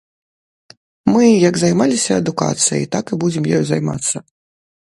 Мы як займаліся адукацыяй, так і будзем ёю займацца.